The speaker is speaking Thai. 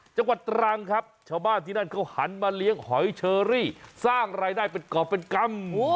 จังหวัดตรังครับชาวบ้านที่นั่นเขาหันมาเลี้ยงหอยเชอรี่สร้างรายได้เป็นกรอบเป็นกรรม